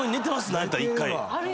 何やったら１回。